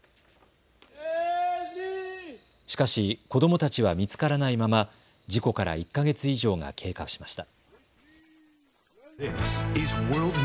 しかし子どもたちは見つからないまま事故から１か月以上が経過しました。